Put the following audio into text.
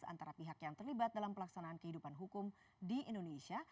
antara pihak yang terlibat dalam pelaksanaan kehidupan hukum di indonesia